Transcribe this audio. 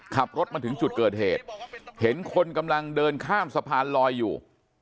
ขับรถมาถึงจุดเกิดเหตุเห็นคนกำลังเดินข้ามสะพานลอยอยู่